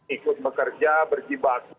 ikut bekerja berjibat